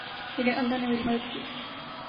لیکن اللہ نے میری مدد کی